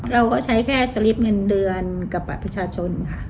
เราก็ใช้แค่สลิปเงินเดือนกับบัตรประชาชนค่ะ